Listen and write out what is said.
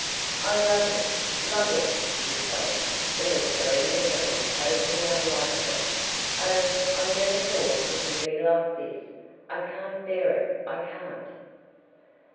"I love him—love him," she sobbed, in a surrender that was totally unlike her. "Oh, I never thought it would be like this. I can't bear it. I can't."